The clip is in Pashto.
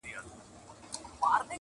زلمي، زلمي کلونه جهاني قبر ته توی سول!.